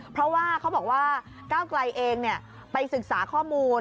เพราะว่าเขาบอกว่าก้าวไกลเองไปศึกษาข้อมูล